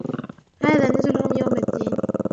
هَذَا نُزُلُهُمْ يَوْمَ الدِّينِ